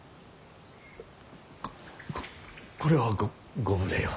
ここれはごご無礼を。